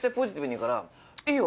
「いいよ！